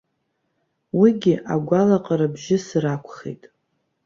Уигьы игәалаҟара бжьысыр акәхеит.